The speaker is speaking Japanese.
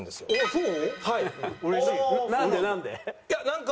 そう？